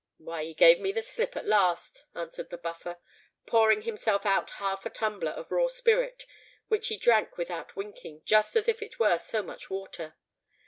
"Why, he gave me the slip at last," answered the Buffer, pouring himself out half a tumbler of raw spirit, which he drank without winking, just as if it were so much water.